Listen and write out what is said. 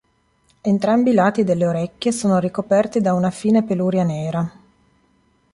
Entrambi i lati delle orecchie sono ricoperti da una fine peluria nera.